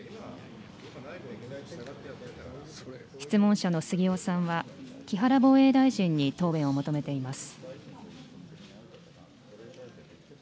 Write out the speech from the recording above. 質問者の杉尾さんは、木原防衛大臣に答弁を求めています。